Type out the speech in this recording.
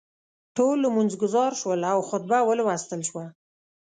ټول لمونځ ګزار شول او خطبه ولوستل شوه.